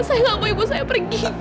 saya gak mau ibu saya pergi